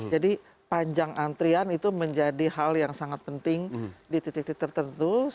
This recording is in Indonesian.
panjang antrian itu menjadi hal yang sangat penting di titik titik tertentu